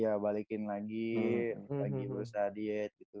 ya balikin lagi lagi berusaha diet gitu